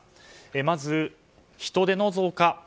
まず、人出の増加。